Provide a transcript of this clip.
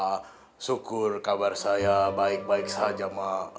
ah syukur kabar saya baik baik saja mak